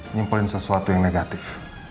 nyimpulin sesuatu yang negatif